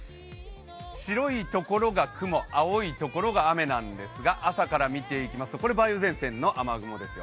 白いところが雲、青いところが雨なんですが朝から見ていきますとこれ、梅雨前線の雨雲ですよ。